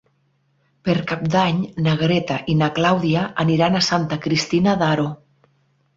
Per Cap d'Any na Greta i na Clàudia aniran a Santa Cristina d'Aro.